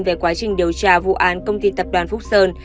về quá trình điều tra vụ án công ty tập đoàn phúc sơn